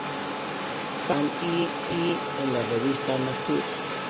Han, and Y. en la revista "Nature".